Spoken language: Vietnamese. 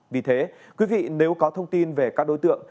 vì thế quý vị nếu có thông tin về các đối tượng